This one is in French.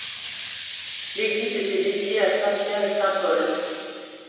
L'église était dédiée à saint Pierre et saint Paul.